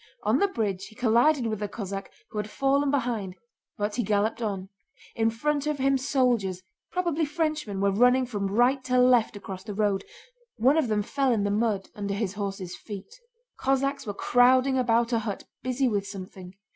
On the bridge he collided with a Cossack who had fallen behind, but he galloped on. In front of him soldiers, probably Frenchmen, were running from right to left across the road. One of them fell in the mud under his horse's feet. Cossacks were crowding about a hut, busy with something.